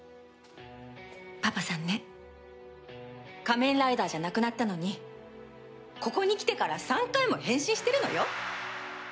パパさんね仮面ライダーじゃなくなったのにここに来てから３回も変身してるのよ。